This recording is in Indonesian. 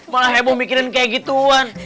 malah heboh mikirin kayak gituan